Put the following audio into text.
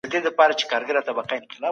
اتلان د تاریخ په پاڼو کي پاتې کیږي.